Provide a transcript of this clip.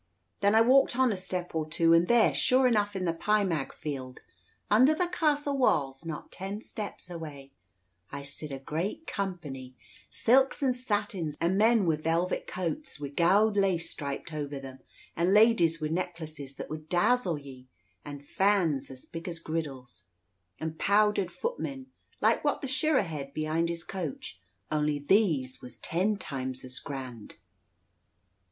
Then I walked on a step or two, and there, sure enough in the Pie Mag field, under the castle wa's, not twenty steps away, I sid a grand company; silks and satins, and men wi' velvet coats, wi' gowd lace striped over them, and ladies wi' necklaces that would dazzle ye, and fans as big as griddles; and powdered footmen, like what the shirra hed behind his coach, only these was ten times as grand."